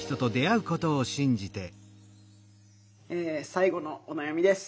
最後のお悩みです。